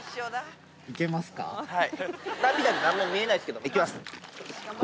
涙で何も見えないですけど、行きます。